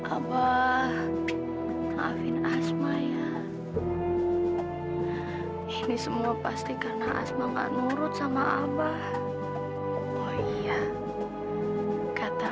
abah afin asma ya ini semua pasti karena asma enggak nurut sama abah oh iya kata